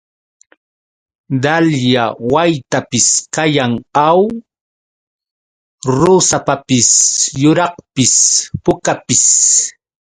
Dalya waytapis kayan, ¿aw? Rusapapis yuraqpis pukapis.